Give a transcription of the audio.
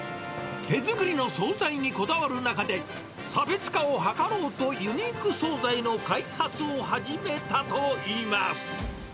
手作りの総菜にこだわる中で、差別化を図ろうとユニーク総菜の開発を始めたといいます。